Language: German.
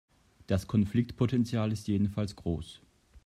Das Konfliktpotenzial ist jedenfalls groß.